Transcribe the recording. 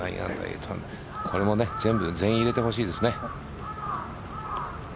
これも全員、入れてほしいですね。